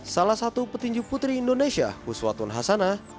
salah satu petinju putri indonesia huswatun hasana